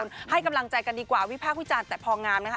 ให้กำลังใจกันดีกว่าวิพากษ์วิจารณ์แต่พองามนะคะ